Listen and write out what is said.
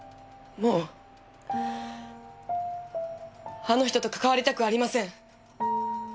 もうあの人とかかわりたくありません。